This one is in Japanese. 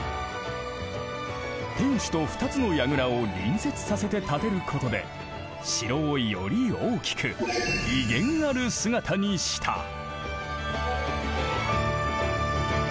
天守と２つの櫓を隣接させて建てることで城をより大きく威厳ある姿にした。